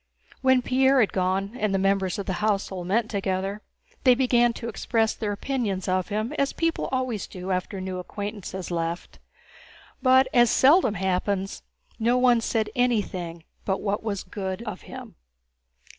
When Pierre had gone and the members of the household met together, they began to express their opinions of him as people always do after a new acquaintance has left, but as seldom happens, no one said anything but what was good of him.